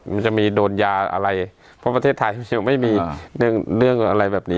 มันจะมีโดนยาอะไรเพราะประเทศไทยไม่มีเรื่องอะไรแบบนี้